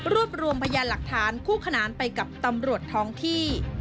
รวมรวมพยานหลักฐานคู่ขนานไปกับตำรวจท้องที่